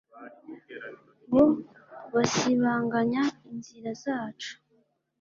ngo basibanganye inzira zacu